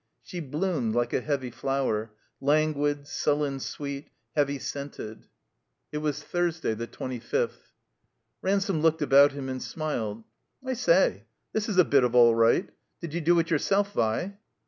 She bloomed, like a heavy flower, languid^ sulletv sweet, heavy scented. ^05 THE COMBINED MAZE It was Thursday, the twenty fifth. Ransome looked about him and smiled. "I s^, this is a bit of all right. Did you do it yourself, Vi?"